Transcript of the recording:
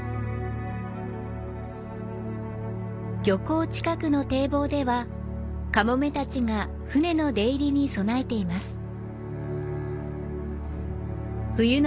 漁港近くの堤防では、カモメたちが船の出入りに備えています。